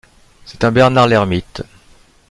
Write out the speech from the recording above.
C'est un bernard l'ermite.